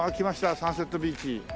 サンセットビーチ。